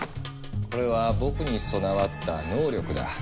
これは僕に備わった「能力」だ。